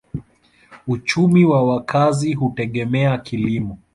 Uchumi ya wakazi hutegemea kilimo.